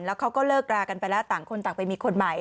แล้วเขาก็เลิกรากันไปแล้วต่างคนต่างไปมีคนใหม่